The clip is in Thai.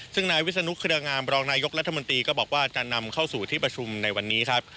ซึ่งนายวิศนุเครืองามรองนายกรัฐมนตรีก็บอกว่าจะนำเข้าสู่ที่ประชุมในวันนี้ครับ